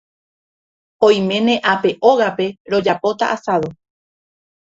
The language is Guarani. Oiméne ápe ógape rojapóta asado.